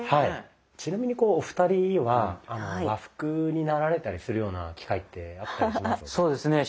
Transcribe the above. ちなみにお二人は和服になられたりするような機会ってあったりします？